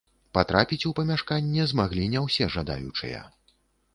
Патрапіць у памяшканне змаглі не ўсе жадаючыя.